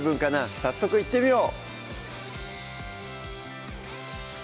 早速いってみよう